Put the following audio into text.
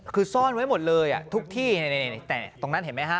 คือซ่อนไว้หมดเลยทุกที่ตรงนั้นเห็นไหมฮะ